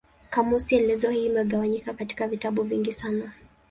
Kamusi elezo hii imegawanyika katika vitabu vingi sana.